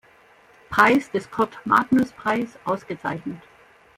Preis des Kurt-Magnus-Preis ausgezeichnet.